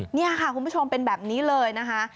นี่ค่ะคุณผู้ชมเป็นแบบนี้เลยนะคะ